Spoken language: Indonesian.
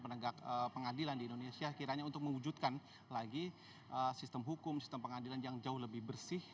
penegak pengadilan di indonesia kiranya untuk mewujudkan lagi sistem hukum sistem pengadilan yang jauh lebih bersih